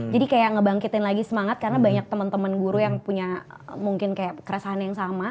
jadi kayak ngebangkitin lagi semangat karena banyak temen temen guru yang punya mungkin kayak keresahan yang sama